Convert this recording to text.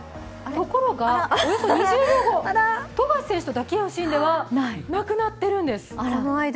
ところが、およそ２０秒後、富樫選手と抱き合うシーンではなくなっているんです。